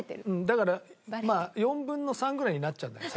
だからまあ４分の３ぐらいになっちゃうんだよね